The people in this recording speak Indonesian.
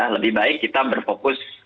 lebih baik kita berfokus